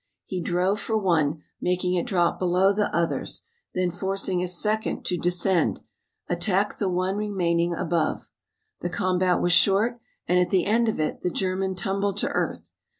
He drove for one, making it drop below the others, then forcing a second to descend, attacked the one remaining above. The combat was short and at the end of it the German tumbled to earth.